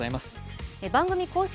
番組公式